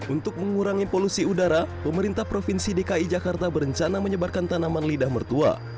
untuk mengurangi polusi udara pemerintah provinsi dki jakarta berencana menyebarkan tanaman lidah mertua